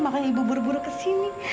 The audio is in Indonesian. maka ibu buru buru kesini